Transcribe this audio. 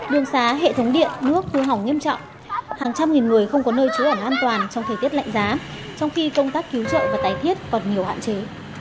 đường xá hệ thống điện nước hư hỏng nghiêm trọng hàng trăm nghìn người không có nơi trú ẩn an toàn trong thời tiết lạnh giá trong khi công tác cứu trợ và tái thiết còn nhiều hạn chế